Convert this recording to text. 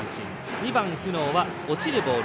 ２番、久納は落ちるボール。